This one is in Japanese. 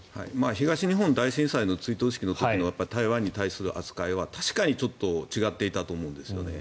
東日本大震災の追悼式の時の台湾に対する扱いは確かにちょっと違っていたと思うんですよね。